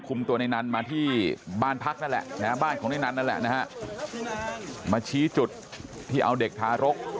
ตัวในนั้นมาที่บ้านพักนั่นแหละนะฮะบ้านของในนั้นนั่นแหละนะฮะมาชี้จุดที่เอาเด็กทารก